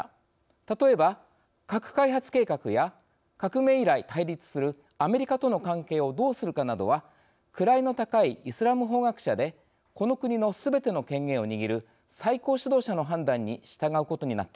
例えば核開発計画や革命以来対立するアメリカとの関係をどうするかなどは位の高いイスラム法学者でこの国のすべての権限を握る最高指導者の判断に従うことになっています。